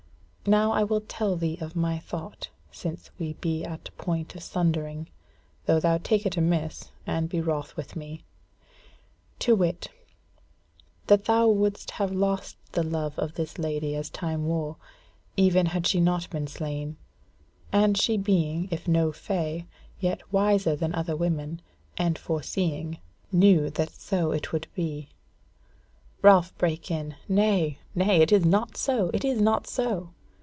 Now I will tell thee of my thought, since we be at point of sundering, though thou take it amiss and be wroth with me: to wit, that thou wouldst have lost the love of this lady as time wore, even had she not been slain: and she being, if no fay, yet wiser than other women, and foreseeing, knew that so it would be." Ralph brake in: "Nay, nay, it is not so, it is not so!"